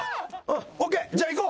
ＯＫじゃあ行こう。